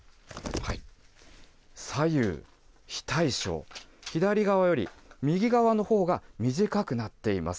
左右非対称、左側より右側のほうが短くなっています。